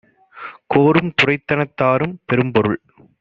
கோரும் துரைத்தனத் தாரும் பெரும்பொருள்